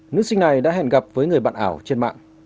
nữ sinh này đã hẹn gặp với người bạn ảo trên mạng